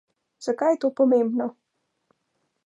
Zakaj je to pomembno?